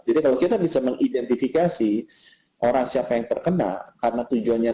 dan bisa sembuh dengan sendirinya